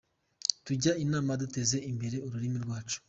Tujye inama duteze imbere ururimi rwacu.